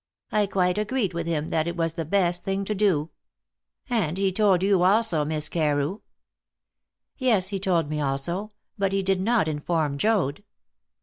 I quite agreed with him that it was the best thing to do. And he told you also, Miss Carew?" "Yes, he told me also; but he did not inform Joad."